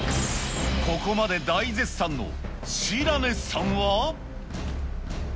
ここまで大絶賛の白根さんは。